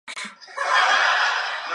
不及淮阴有将坛。